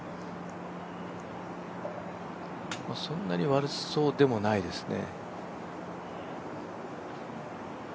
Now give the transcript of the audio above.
そんなに悪そうでもないですね。